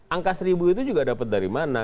angka seribu itu juga dapat dari mana